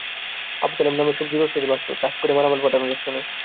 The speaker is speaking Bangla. আবু তালেব নামের সবজি ব্যবসায়ীর ভাষ্য, ট্রাকে করে মালামাল পাঠানো যাচ্ছে না।